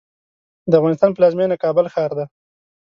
د افغانستان پلازمېنه کابل ښار دی.